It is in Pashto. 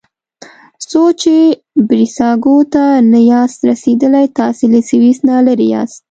څو چې بریساګو ته نه یاست رسیدلي تاسي له سویس نه لرې یاست.